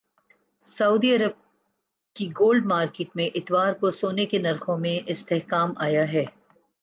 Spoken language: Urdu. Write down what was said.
سعودی عرب کی گولڈ مارکیٹ میں اتوار کو سونے کے نرخوں میں استحکام آیا ہے